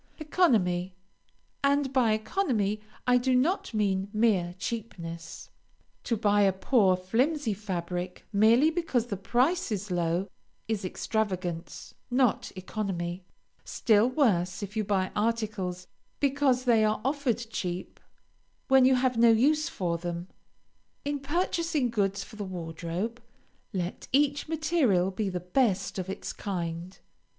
ECONOMY And by economy I do not mean mere cheapness. To buy a poor, flimsy fabric merely because the price is low, is extravagance, not economy; still worse if you buy articles because they are offered cheap, when you have no use for them. In purchasing goods for the wardrobe, let each material be the best of its kind.